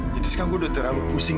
jadi sekarang gue udah terlalu pusing